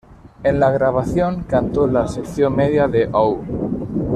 En la grabación, cantó la sección media de How?